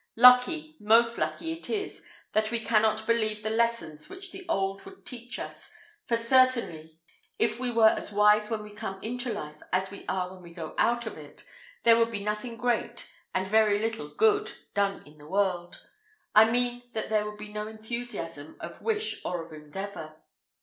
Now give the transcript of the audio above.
Lucky, most lucky is it, that we cannot believe the lessons which the old would teach us; for certainly if we were as wise when we come into life as we are when we go out of it, there would be nothing great, and very little good, done in the world; I mean that there would be no enthusiasm of wish or of endeavour.